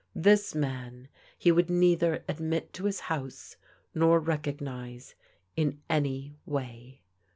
This man, he would neither admit to his house, nor rec ognize in any way.